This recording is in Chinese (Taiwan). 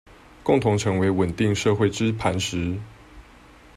共同成為穩定社會之磐石